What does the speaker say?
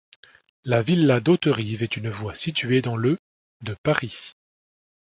La villa d'Hauterive est une voie située dans le de Paris.